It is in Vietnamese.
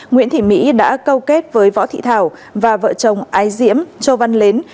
nguyễn thị mỹ đã câu kết với võ thị thảo và vợ chồng ái diễm châu văn